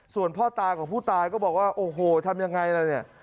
ส่วนพ่อตาของผู้ตายก็บอกว่าโอ้โหทำยังไงล่ะเนี่ย